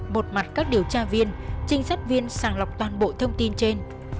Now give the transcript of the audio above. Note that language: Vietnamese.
một mặt các điều tra viên trinh sát viên sàng lọc toàn bộ thông tin trên